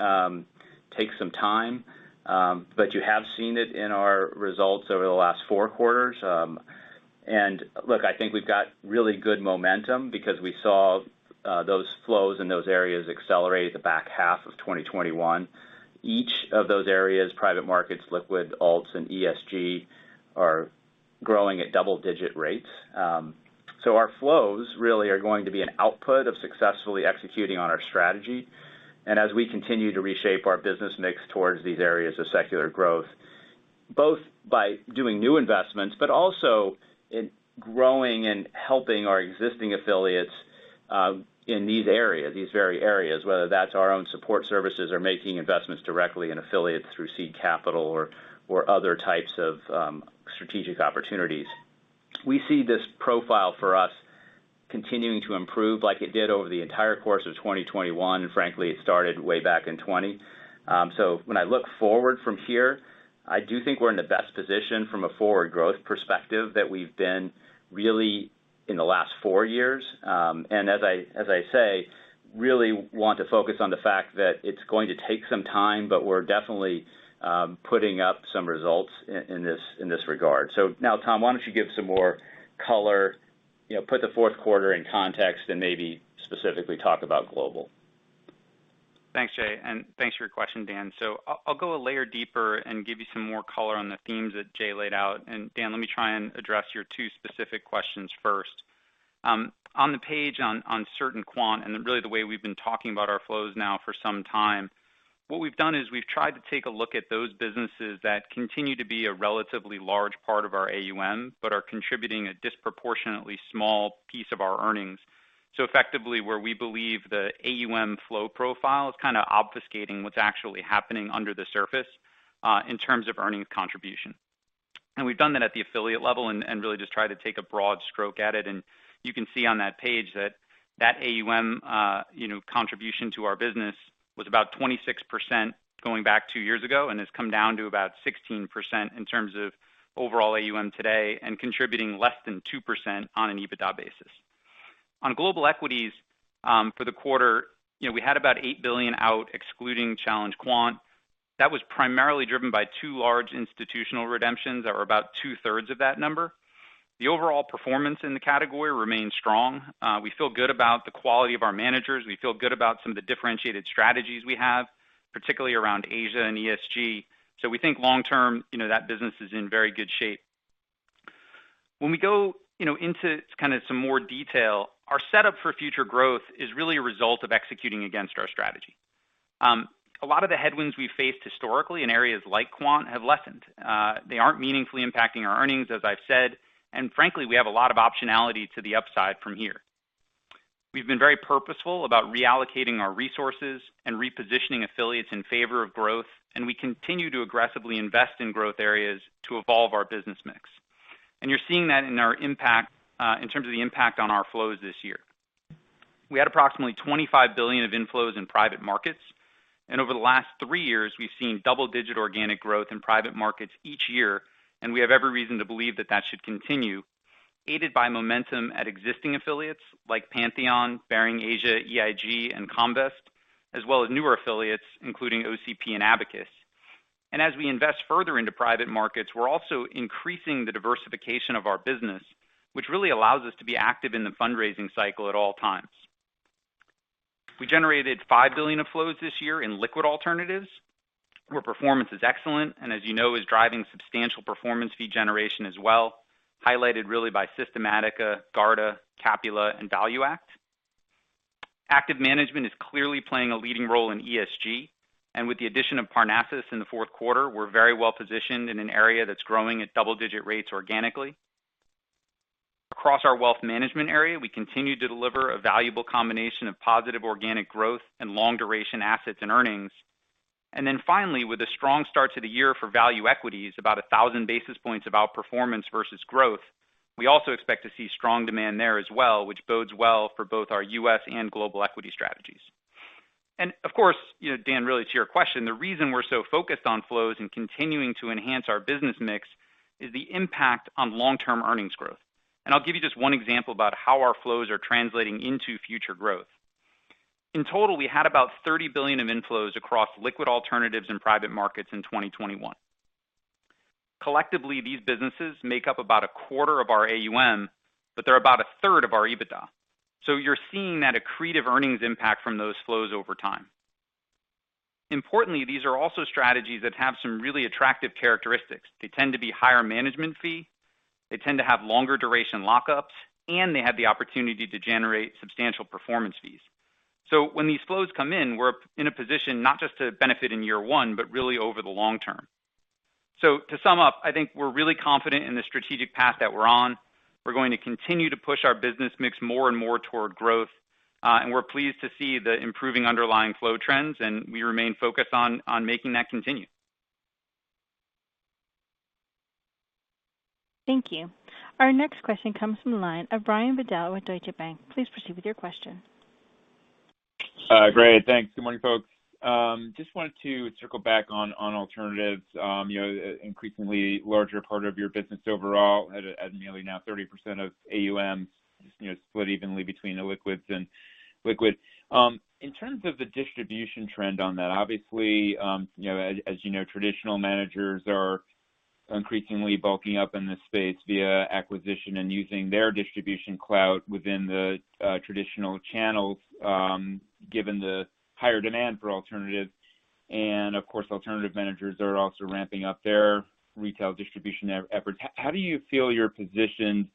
takes some time, but you have seen it in our results over the last four quarters. Look, I think we've got really good momentum because we saw those flows in those areas accelerate the back half of 2021. Each of those areas, private markets, liquid alts, and ESG, are growing at double-digit rates. Our flows really are going to be an output of successfully executing on our strategy. As we continue to reshape our business mix towards these areas of secular growth, both by doing new investments, but also in growing and helping our existing affiliates, in these areas, these very areas, whether that's our own support services or making investments directly in affiliates through seed capital or other types of strategic opportunities. We see this profile for us continuing to improve like it did over the entire course of 2021, and frankly, it started way back in 2020. When I look forward from here, I do think we're in the best position from a forward growth perspective that we've been really in the last four years. As I say, I really want to focus on the fact that it's going to take some time, but we're definitely putting up some results in this regard. Now, Tom, why don't you give some more color, you know, put the fourth quarter in context and maybe specifically talk about global. Thanks, Jay, and thanks for your question, Dan. I'll go a layer deeper and give you some more color on the themes that Jay laid out. Dan, let me try and address your two specific questions first. On the page on certain quant, and really the way we've been talking about our flows now for some time, what we've done is we've tried to take a look at those businesses that continue to be a relatively large part of our AUM but are contributing a disproportionately small piece of our earnings. Effectively, where we believe the AUM flow profile is kind of obfuscating what's actually happening under the surface, in terms of earnings contribution. We've done that at the affiliate level and really just tried to take a broad stroke at it. You can see on that page that AUM, you know, contribution to our business was about 26% going back two years ago, and it's come down to about 16% in terms of overall AUM today and contributing less than 2% on an EBITDA basis. On global equities, for the quarter, you know, we had about $8 billion out, excluding Challenge Quant. That was primarily driven by two large institutional redemptions that were about 2/3 of that number. The overall performance in the category remains strong. We feel good about the quality of our managers. We feel good about some of the differentiated strategies we have, particularly around Asia and ESG. We think long term, you know, that business is in very good shape. When we go, you know, into kind of some more detail, our setup for future growth is really a result of executing against our strategy. A lot of the headwinds we faced historically in areas like quant have lessened. They aren't meaningfully impacting our earnings, as I've said. Frankly, we have a lot of optionality to the upside from here. We've been very purposeful about reallocating our resources and repositioning affiliates in favor of growth, and we continue to aggressively invest in growth areas to evolve our business mix. You're seeing that in terms of the impact on our flows this year. We had approximately $25 billion of inflows in private markets. Over the last three years, we've seen double-digit organic growth in private markets each year, and we have every reason to believe that that should continue, aided by momentum at existing affiliates like Pantheon, Baring Asia, EIG, and Comvest, as well as newer affiliates including OCP and Abacus. As we invest further into private markets, we're also increasing the diversification of our business, which really allows us to be active in the fundraising cycle at all times. We generated $5 billion of flows this year in liquid alternatives, where performance is excellent and as you know, is driving substantial performance fee generation as well, highlighted really by Systematica, Garda, Capula and ValueAct. Active management is clearly playing a leading role in ESG, and with the addition of Parnassus in the fourth quarter, we're very well-positioned in an area that's growing at double-digit rates organically. Across our wealth management area, we continue to deliver a valuable combination of positive organic growth and long duration assets and earnings. Finally, with a strong start to the year for value equities, about 1,000 basis points of outperformance versus growth. We also expect to see strong demand there as well, which bodes well for both our U.S. and global equity strategies. Of course, you know, Dan, really to your question, the reason we're so focused on flows and continuing to enhance our business mix is the impact on long-term earnings growth. I'll give you just one example about how our flows are translating into future growth. In total, we had about $30 billion of inflows across liquid alternatives in private markets in 2021. Collectively, these businesses make up about a quarter of our AUM, but they're about 1/3 of our EBITDA. You're seeing that accretive earnings impact from those flows over time. Importantly, these are also strategies that have some really attractive characteristics. They tend to be higher management fee. They tend to have longer duration lockups, and they have the opportunity to generate substantial performance fees. When these flows come in, we're in a position not just to benefit in year one, but really over the long term. To sum up, I think we're really confident in the strategic path that we're on. We're going to continue to push our business mix more and more toward growth. We're pleased to see the improving underlying flow trends, and we remain focused on making that continue. Thank you. Our next question comes from the line of Brian Bedell with Deutsche Bank. Please proceed with your question. Great. Thanks. Good morning, folks. Just wanted to circle back on alternatives, you know, increasingly larger part of your business overall at nearly now 30% of AUM, you know, split evenly between the liquid and illiquid. In terms of the distribution trend on that, obviously, you know, as you know, traditional managers are increasingly bulking up in this space via acquisition and using their distribution clout within the traditional channels, given the higher demand for alternatives. Of course, alternative managers are also ramping up their retail distribution efforts. How do you feel you're positioned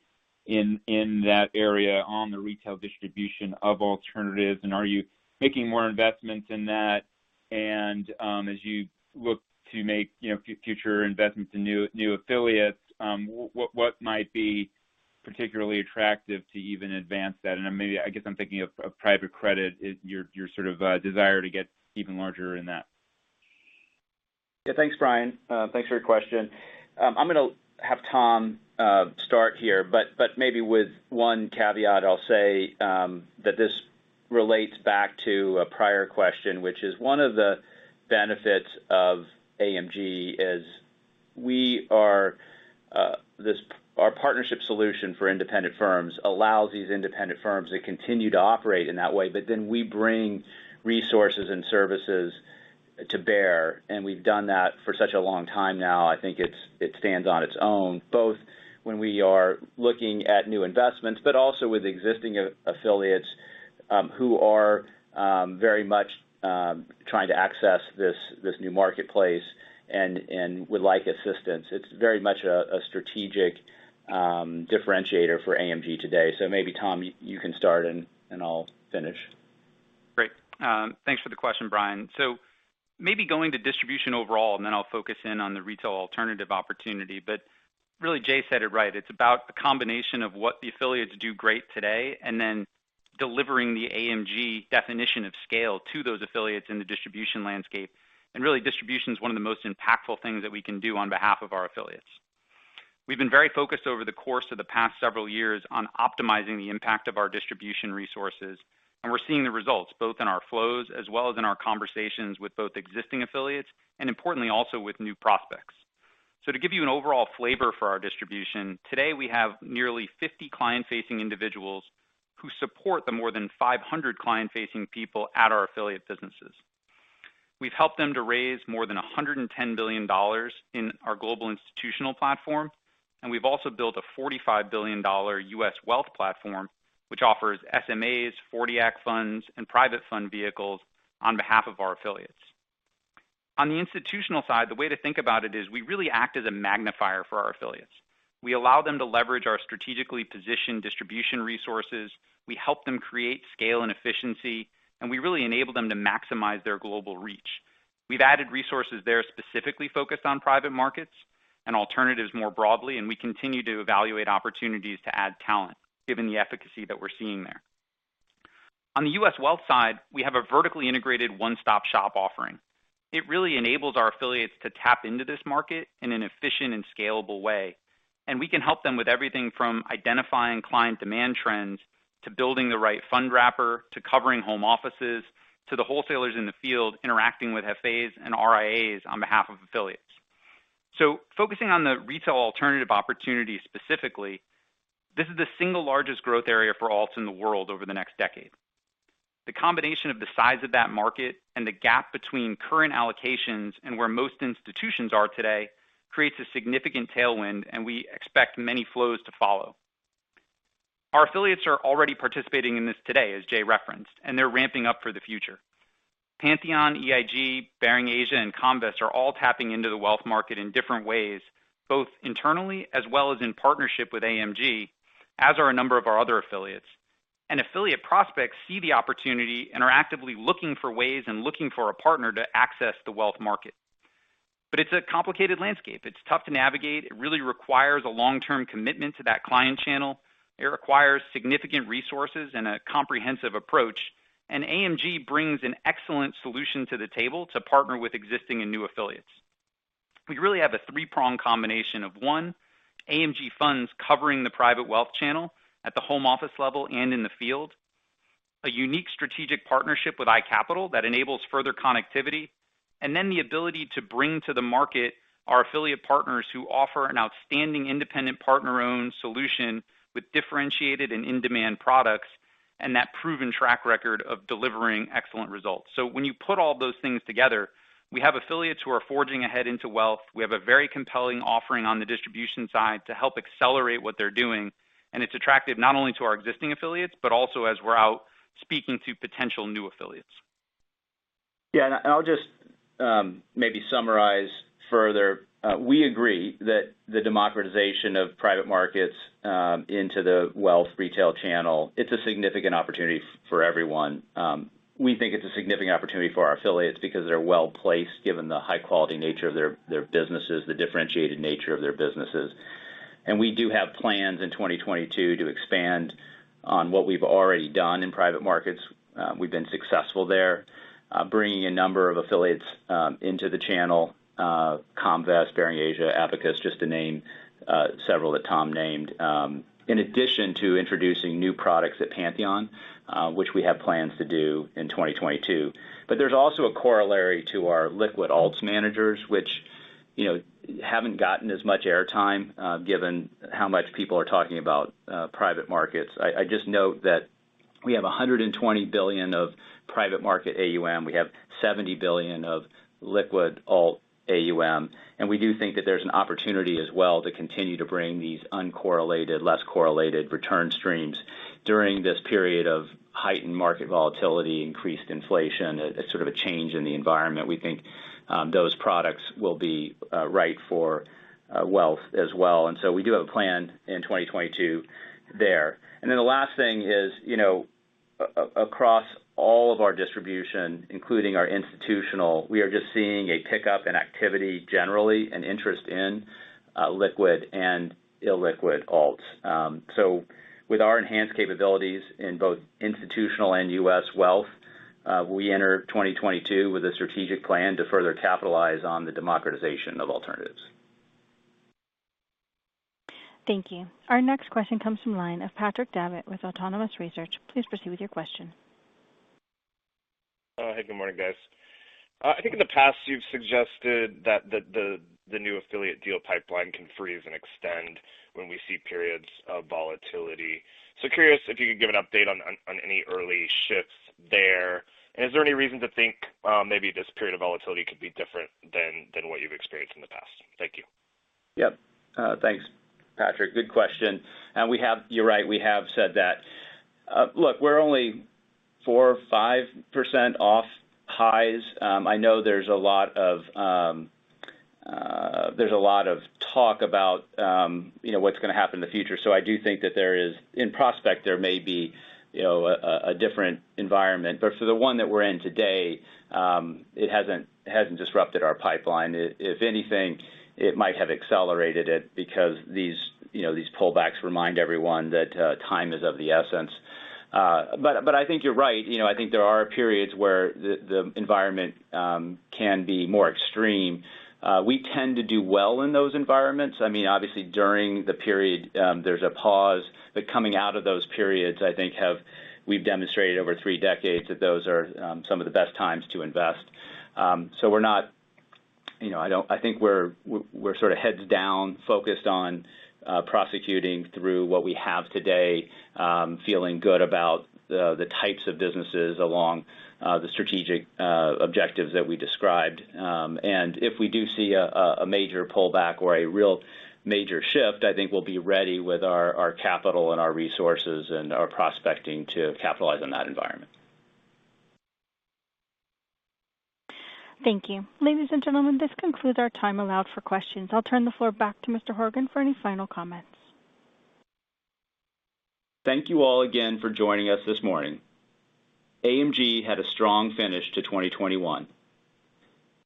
in that area on the retail distribution of alternatives? And are you making more investments in that? As you look to make, you know, future investments in new affiliates, what might be particularly attractive to even advance that? Maybe, I guess, I'm thinking of private credit. Is your sort of desire to get even larger in that? Yeah. Thanks, Brian. Thanks for your question. I'm gonna have Tom start here, but maybe with one caveat. I'll say that this relates back to a prior question, which is one of the benefits of AMG is we are our partnership solution for independent firms allows these independent firms to continue to operate in that way, but then we bring resources and services to bear. We've done that for such a long time now. I think it stands on its own, both when we are looking at new investments, but also with existing affiliates who are very much trying to access this new marketplace and would like assistance. It's very much a strategic differentiator for AMG today. Maybe, Tom, you can start and I'll finish. Great. Thanks for the question, Brian. Maybe going to distribution overall, and then I'll focus in on the retail alternative opportunity. Really, Jay said it right. It's about the combination of what the affiliates do great today, and then delivering the AMG definition of scale to those affiliates in the distribution landscape. Really, distribution is one of the most impactful things that we can do on behalf of our affiliates. We've been very focused over the course of the past several years on optimizing the impact of our distribution resources, and we're seeing the results both in our flows as well as in our conversations with both existing affiliates and importantly, also with new prospects. To give you an overall flavor for our distribution, today we have nearly 50 client-facing individuals who support the more than 500 client-facing people at our affiliate businesses. We've helped them to raise more than $110 billion in our global institutional platform, and we've also built a $45 billion U.S. wealth platform, which offers SMAs, '40 Act funds, and private fund vehicles on behalf of our affiliates. On the institutional side, the way to think about it is we really act as a magnifier for our affiliates. We allow them to leverage our strategically positioned distribution resources. We help them create scale and efficiency, and we really enable them to maximize their global reach. We've added resources there specifically focused on private markets and alternatives more broadly, and we continue to evaluate opportunities to add talent given the efficacy that we're seeing there. On the U.S. wealth side, we have a vertically integrated one-stop shop offering. It really enables our affiliates to tap into this market in an efficient and scalable way, and we can help them with everything from identifying client demand trends, to building the right fund wrapper, to covering home offices, to the wholesalers in the field interacting with FAs and RIAs on behalf of affiliates. Focusing on the retail alternative opportunities specifically, this is the single largest growth area for alts in the world over the next decade. The combination of the size of that market and the gap between current allocations and where most institutions are today creates a significant tailwind, and we expect many flows to follow. Our affiliates are already participating in this today, as Jay referenced, and they're ramping up for the future. Pantheon, EIG, Baring Asia, and Comvest are all tapping into the wealth market in different ways, both internally as well as in partnership with AMG, as are a number of our other affiliates. Affiliate prospects see the opportunity and are actively looking for ways and looking for a partner to access the wealth market. It's a complicated landscape. It's tough to navigate. It really requires a long-term commitment to that client channel. It requires significant resources and a comprehensive approach. AMG brings an excellent solution to the table to partner with existing and new affiliates. We really have a three-prong combination of, one, AMG Funds covering the private wealth channel at the home office level and in the field, a unique strategic partnership with iCapital that enables further connectivity, and then the ability to bring to the market our affiliate partners who offer an outstanding independent partner-owned solution with differentiated and in-demand products, and that proven track record of delivering excellent results. When you put all those things together, we have affiliates who are forging ahead into wealth. We have a very compelling offering on the distribution side to help accelerate what they're doing. It's attractive not only to our existing affiliates, but also as we're out speaking to potential new affiliates. Yeah, I'll just maybe summarize further. We agree that the democratization of private markets into the wealth retail channel. It's a significant opportunity for everyone. We think it's a significant opportunity for our affiliates because they're well-placed, given the high quality nature of their businesses, the differentiated nature of their businesses. We do have plans in 2022 to expand on what we've already done in private markets. We've been successful there, bringing a number of affiliates into the channel, Comvest, Baring Asia, Abacus, just to name several that Tom named, in addition to introducing new products at Pantheon, which we have plans to do in 2022. There's also a corollary to our liquid alts managers, which, you know, haven't gotten as much airtime, given how much people are talking about private markets. I just note that we have $120 billion of private market AUM. We have $70 billion of liquid alt AUM, and we do think that there's an opportunity as well to continue to bring these uncorrelated, less correlated return streams during this period of heightened market volatility, increased inflation. It's sort of a change in the environment. We think those products will be right for wealth as well. We do have a plan in 2022 there. The last thing is, you know, across all of our distribution, including our institutional, we are just seeing a pickup in activity generally, and interest in liquid and illiquid alts. With our enhanced capabilities in both institutional and U.S. wealth, we enter 2022 with a strategic plan to further capitalize on the democratization of alternatives. Thank you. Our next question comes from the line of Patrick Davitt with Autonomous Research. Please proceed with your question. Hey, good morning, guys. I think in the past you've suggested that the new affiliate deal pipeline can freeze and extend when we see periods of volatility. Curious if you could give an update on any early shifts there. Is there any reason to think maybe this period of volatility could be different than what you've experienced in the past? Thank you. Yep. Thanks, Patrick. Good question. You're right, we have said that. Look, we're only 4% or 5% off highs. I know there's a lot of talk about, you know, what's gonna happen in the future. I do think that there is in prospect there may be, you know, a different environment. For the one that we're in today, it hasn't disrupted our pipeline. If anything, it might have accelerated it because these, you know, these pullbacks remind everyone that time is of the essence. I think you're right. You know, I think there are periods where the environment can be more extreme. We tend to do well in those environments. I mean, obviously, during the period, there's a pause. Coming out of those periods, I think we've demonstrated over three decades that those are some of the best times to invest. We're not, you know, I think we're sort of heads down, focused on prosecuting through what we have today, feeling good about the types of businesses along the strategic objectives that we described. If we do see a major pullback or a real major shift, I think we'll be ready with our capital and our resources and our prospecting to capitalize on that environment. Thank you. Ladies and gentlemen, this concludes our time allowed for questions. I'll turn the floor back to Mr. Horgen for any final comments. Thank you all again for joining us this morning. AMG had a strong finish to 2021.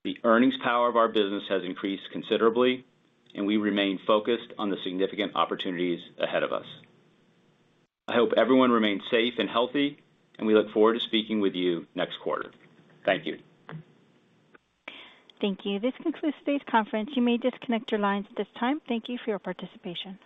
The earnings power of our business has increased considerably, and we remain focused on the significant opportunities ahead of us. I hope everyone remains safe and healthy, and we look forward to speaking with you next quarter. Thank you. Thank you. This concludes today's conference. You may disconnect your lines at this time. Thank you for your participation.